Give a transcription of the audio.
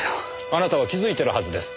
あなたは気づいてるはずです。